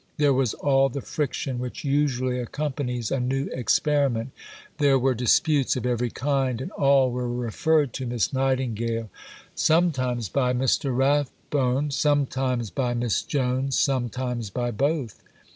There was all the friction which usually accompanies a new experiment. There were disputes of every kind, and all were referred to Miss Nightingale sometimes by Mr. Rathbone, sometimes by Miss Jones, sometimes by both.